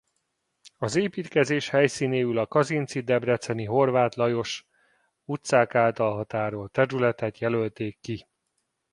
Az építkezés helyszínéül a Kazinczy–Debreczenyi–Horváth Lajos utcák által határolt területet jelölték ki.